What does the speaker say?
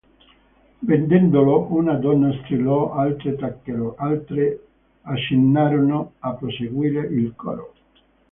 Vedendolo una donna strillò; altre tacquero, altre accennarono a proseguire il coro.